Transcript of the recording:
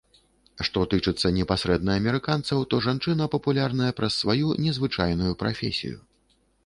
Што тычыцца непасрэдна амерыканцаў, то жанчына папулярная праз сваю незвычайную прафесію.